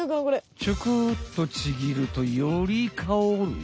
ちょこっとちぎるとよりかおるよ。